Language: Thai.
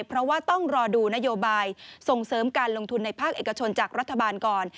เพราะว่าต้องรอดูนโยบายส่งเสริมการลงทุนในภาคเอกชนจากรัฐบาลก่อน